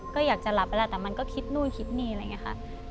ก็อยากจะหลับไปแล้วแต่มันก็คิดนู่นคิดนี่อะไรอย่างนี้ค่ะ